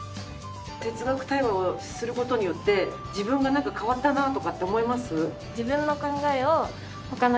哲学対話をする事によって自分がなんか変わったなとかって思います？